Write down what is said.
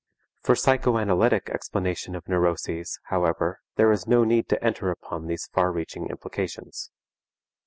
For psychoanalytic explanation of neuroses, however, there is no need to enter upon these far reaching implications.